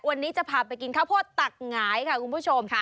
วันนี้จะพาไปกินข้าวโพดตักหงายค่ะคุณผู้ชม